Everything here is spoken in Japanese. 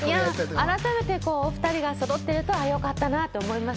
改めて、お２人がそろってるとよかったなと思います。